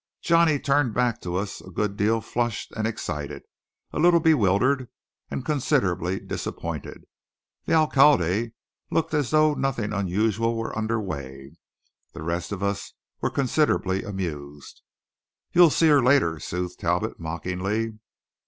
Johnny turned back to us a good deal flushed and excited, a little bewildered, and considerably disappointed. The alcalde looked as though nothing unusual were under way. The rest of us were considerably amused. "You'll see her later," soothed Talbot mockingly.